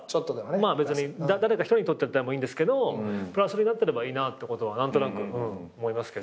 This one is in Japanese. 別に誰か１人にとってでもいいんですけどプラスになってればいいなってことは何となく思います。